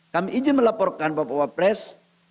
kami ijin melaporkan bapak bapak pres